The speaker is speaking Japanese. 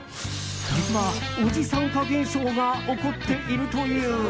実は、おじさん化現象が起こっているという。